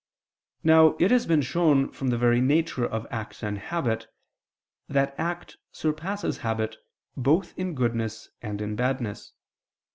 Now it has been shown from the very nature of act and habit, that act surpasses habit both in goodness and in badness.